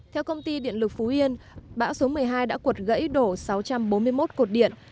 theo công ty điện lực phú yên bão số một mươi hai đã cuột gãy đổ sáu trăm bốn mươi một cột điện